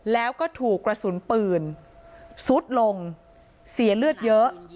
แล้วก็ถูกกระสุนปืนซุดลงเสียเลือดเยอะ